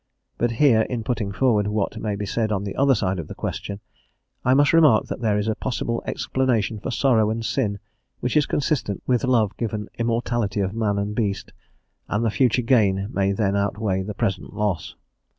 But here, in putting forward what may be said on the other side of the question, I must remark that there is a possible explanation for sorrow and sin which is consistent with love given immortality of man and beast, and the future gain may then outweigh the present loss.